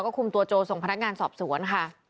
คุมตัวโจส่งพนักงานสอบสวนค่ะ